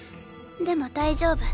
でも大丈夫。